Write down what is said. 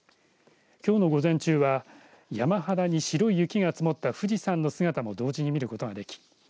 きょうの午前中は山肌に白い雪が積もった富士山の姿も同時に見ることができ